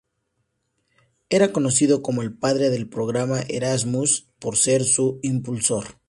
Era conocido como el padre del Programa Erasmus, por ser su impulsor.